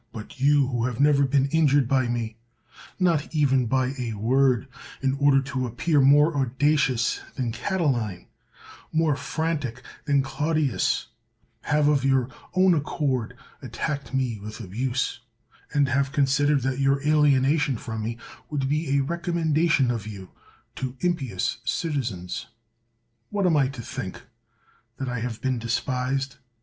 But you, who have never been in jured by me, not even by a word, in order to ap pear more audacious than Catiline, more frantic than Clodius, have of your own accord attacked me with abuse, and have considered that your alienation from me would be a recommendation of you to impious citizens. What am I to think? — that I have been despised?